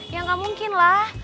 ya gak mungkin lah